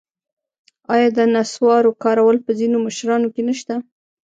آیا د نصوارو کارول په ځینو مشرانو کې نشته؟